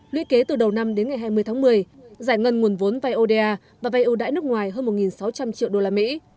lũy kế từ đầu năm đến ngày hai mươi tháng một mươi giải ngân nguồn vốn vai oda và vay ưu đãi nước ngoài hơn một sáu trăm linh triệu đô la mỹ